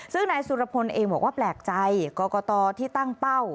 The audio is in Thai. ซึ่งนายสุรพลบอกว่าแบรไต้กรกตที่ตั้งเป้า